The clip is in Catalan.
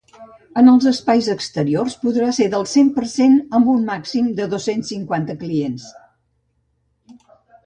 En els espais exteriors, podrà ser del cent per cent amb un màxim de dos-cents cinquanta clients.